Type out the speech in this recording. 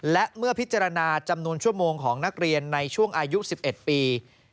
และเมื่อพิจารณาจำนวนชั่วโมงของนักเรียนในช่วงอายุ๑๑ปี